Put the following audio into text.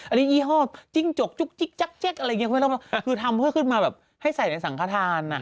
อันนี้ยี่ห้อจิ้งจกจุ๊กจิ๊กจั๊กอะไรอย่างนี้คือทำเพื่อขึ้นมาแบบให้ใส่ในสังฆาตารณ์